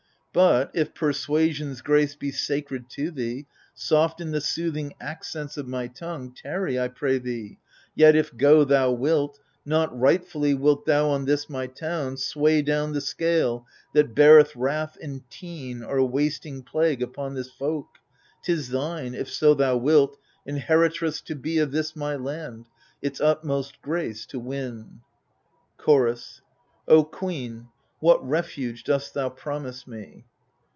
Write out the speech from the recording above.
But, if Persuasion's grace be sacred to thee, Soft in the soothing accents of my tongue, Tarry, I pray thee ; yet, if go thou wilt. Not rightfully wilt thou on this my town Sway down the scale that beareth wrath and teen Or wasting plague upon this folk. 'Tis thine. If so thou wilt, inheritress to be Of this my land, its utmost grace to win. Chorus O queen, what refuge dost thou promise me